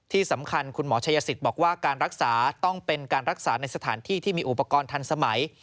ที่สำคัญคุณหมอชัยสิทธิ์บอกว่าการรักษาต้องเป็นการรักษาในสถานที่ที่มีอุปกรณ์ทันสมัย